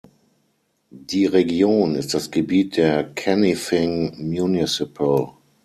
Die Region ist das Gebiet der Kanifing Municipal.